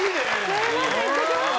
すいません行ってきました。